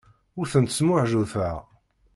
Ur tent-smuɛjuteɣ.